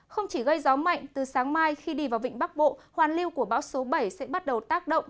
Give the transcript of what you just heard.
không chỉ gây gió mạnh từ sáng mai khi đi vào vịnh bắc bộ hoàn lưu của bão số bảy sẽ bắt đầu tác động